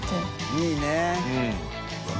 いいね。